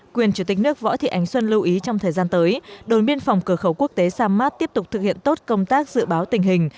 quyền chủ tịch nước võ thị ánh xuân lưu ý trong thời gian tới đồn biên phòng cửa khẩu quốc tế sa mát tiếp tục thực hiện tốt công tác dự báo tình hình